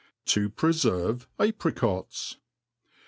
To pr^firve Apricots.